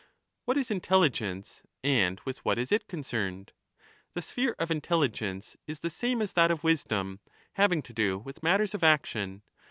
What is intelligence, and with what is it concerned? The sphere of intelligence is the same as that of wisdom, having to do with matters of action.